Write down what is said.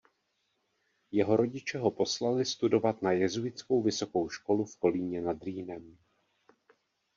Jeho rodiče ho poslali studovat na jezuitskou vysokou školu v Kolíně nad Rýnem.